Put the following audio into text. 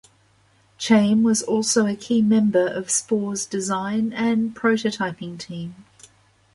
Chaim was also a key member of Spore's design and prototyping team.